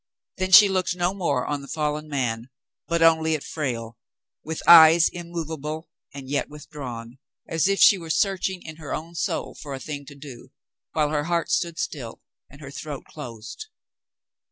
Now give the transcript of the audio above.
Then she looked no more on the fallen man, but only at Frale, with eyes immovable and yet withdrawn, as if she were searching in her own soul for a thing to do, while her heart stood still and her throat closed.